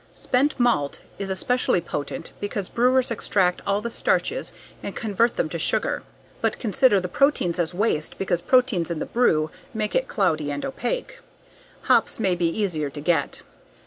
Spent malt is especially potent because brewers extract all the starches and convert them to sugar, but consider the proteins as waste because proteins in the brew make it cloudy and opaque. Hops may be easier to get.